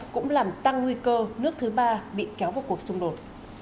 cũng làm tăng nguy cơ nước thứ ba bị kéo vào cuộc xung đột